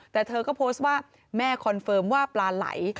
แต่เธอก็โพสต์ว่าแม่คอนเฟิร์มว่าปลาไหล